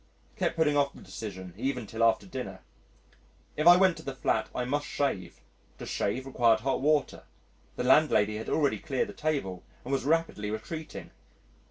Kept putting off the decision even till after dinner. If I went to the flat, I must shave; to shave required hot water the landlady had already cleared the table and was rapidly retreating.